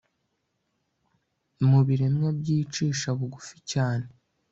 mu biremwa byicisha bugufi cyane